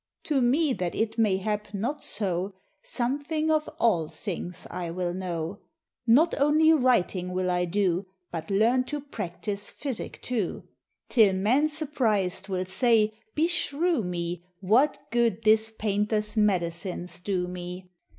To me that it may hap not so, Something of all things I will know. Not only writing will I do, But learn to practise physic too; Till men surprised will say, "Beshrew me, What good this painter's medicines do me!"